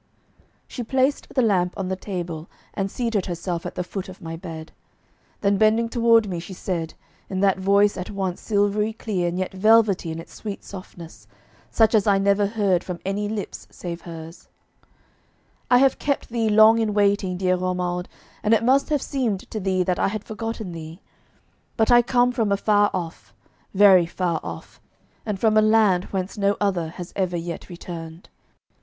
She placed the lamp on the table and seated herself at the foot of my bed; then bending toward me, she said, in that voice at once silvery clear and yet velvety in its sweet softness, such as I never heard from any lips save hers: 'I have kept thee long in waiting, dear Romuald, and it must have seemed to thee that I had forgotten thee. But I come from afar off, very far off, and from a land whence no other has ever yet returned.